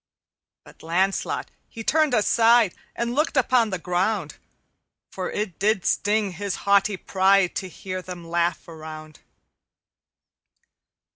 "But Lancelot he turned aside And looked upon the ground, For it did sting his haughty pride To hear them laugh around.